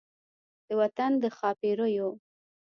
د وطن د ښا پیریو